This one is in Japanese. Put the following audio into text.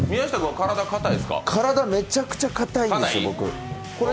体、僕めちゃくちゃ硬いんです。